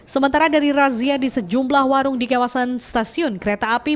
sementara dari razia di sejumlah warung di kawasan stasiun kereta api